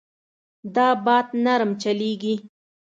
دا باد نرم چلېږي.